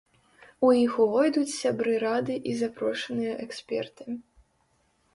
У іх увойдуць сябры рады і запрошаныя эксперты.